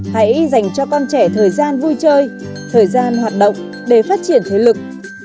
hãy dành cho con trẻ thời gian vui chơi thời gian hoạt động để phát triển thế lực